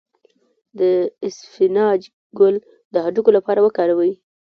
د اسفناج ګل د هډوکو لپاره وکاروئ